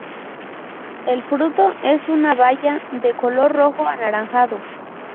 El fruto es una baya de color rojo anaranjado.